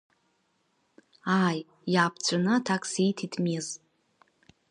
Ааи, иааԥҵәаны аҭак сиҭеит Мез.